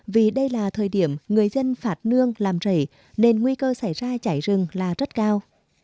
vì đây là thời điểm người dân phạt nương làm rẩy nên nguy cơ xảy ra cháy rừng là rất cao